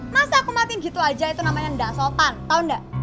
masa aku matiin gitu aja itu namanya enggak sopan tahu enggak